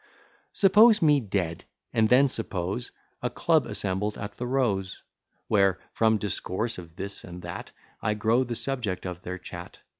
Suppose me dead; and then suppose A club assembled at the Rose; Where, from discourse of this and that, I grow the subject of their chat.